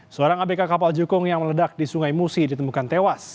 seorang abk kapal jukung yang meledak di sungai musi ditemukan tewas